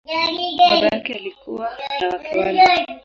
Baba yake alikuwa na wake wanne.